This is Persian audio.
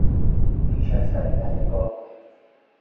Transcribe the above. پیش از پریدن نگاه کن!